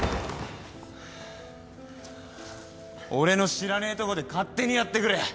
俺の知らねえとこで勝手にやってくれ。